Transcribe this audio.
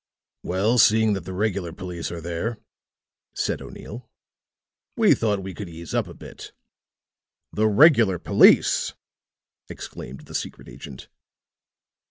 "Well, seeing that the regular police are there," said O'Neill, "we thought we could ease up a bit." "The regular police!" exclaimed the secret agent.